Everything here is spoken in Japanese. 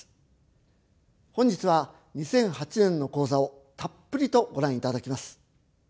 本日は２００８年の高座をたっぷりとご覧いただきます。